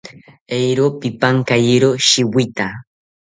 Eero pipankayiro shiwita